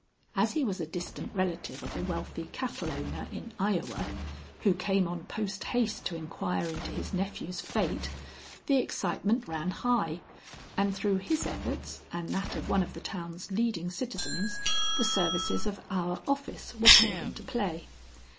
As he was a distant relative of a wealthy cattle owner in Iowa, who came on post haste to inquire into his nephew's fate, the excitement ran high, and through his efforts and that of one of the town's leading citizens, the services of our office were called into play.